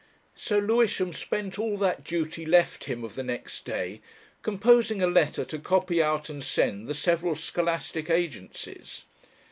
So Lewisham spent all that "duty" left him of the next day composing a letter to copy out and send the several scholastic agencies.